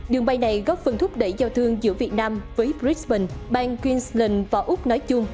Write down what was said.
đường bay này góp phần thúc đẩy giao thương giữa việt nam với brigent bang queensland và úc nói chung